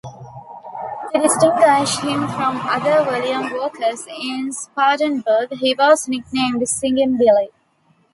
To distinguish him from other William Walkers in Spartanburg, he was nicknamed Singing Billy.